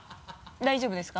大丈夫ですか？